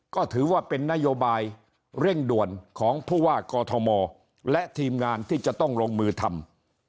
ก็ถือว่าเป็นนโยบายเร่งด่วนของผู้ว่ากอทมและทีมงานที่จะต้องลงมือทำ